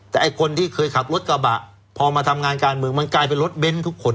แต่ไอ้คนที่เคยขับรถกระบะพอมาทำงานการเมืองมันกลายเป็นรถเบ้นทุกคน